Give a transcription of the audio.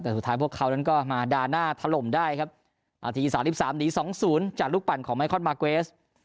แต่สุดท้ายพวกเขานั้นก็มาดาหน้าถล่มได้ครับนาทีสามสิบสามหนี๒๐จากลูกปั่นของไมคอนมาร์เกวส